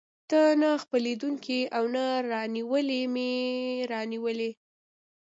ته نه خپلېدونکی او نه رانیولى مې راونیولې.